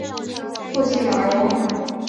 父亲马荣。